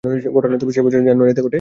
ঘটনাটি সেই বছরের জানুয়ারিতে ঘটে।